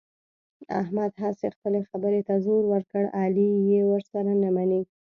احمد هسې خپلې خبرې ته زور ور کړ، علي یې ورسره نه مني.